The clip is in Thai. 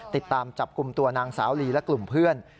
ติดตามจับกลุ่มตัวนางสาวลีและกลุ่มเพื่อน